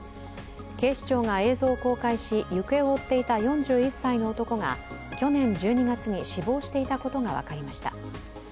警視庁が映像を公開し行方を追っていた４１歳の男が去年１２月に死亡していたことが分かりました。